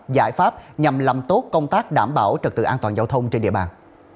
giải pháp nhằm làm tốt công tác đảm bảo trật tự an toàn giao thông trên địa bàn